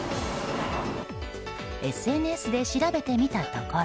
ＳＮＳで調べてみたところ。